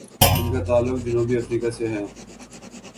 ان کا تعلق جنوبی افریقہ سے ہے۔